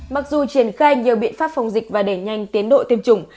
mặc dù triển khai nhiều biện pháp phòng dịch và để nhanh tiến đội tiêm chủng